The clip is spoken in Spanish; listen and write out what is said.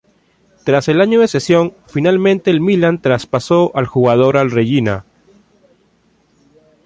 Tras el año de cesión, finalmente el Milán traspasó al jugador al Reggina.